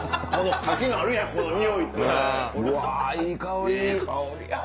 いい香り。